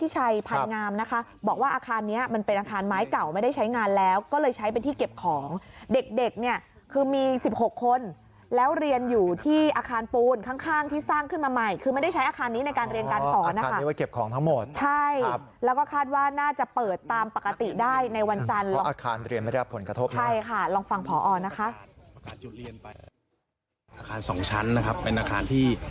เจ้าไม่ได้ใช้งานแล้วก็เลยใช้เป็นที่เก็บของเด็กเนี่ยคือมี๑๖คนแล้วเรียนอยู่ที่อาคารปูนข้างที่สร้างขึ้นมาใหม่คือไม่ได้ใช้อาคารนี้ในการเรียนการสอนอาคารนี้ว่าเก็บของทั้งหมดใช่แล้วก็คาดว่าน่าจะเปิดตามปกติได้ในวันจันทร์เพราะอาคารเรียนไม่ได้รับผลกระทบใช่ค่ะลองฟังผออนะคะอาคารสองชั้นนะคร